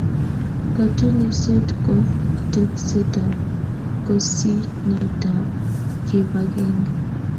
Katunisyet ko tekseetab kosyinetab kibagenge.